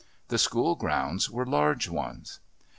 The School grounds were large ones.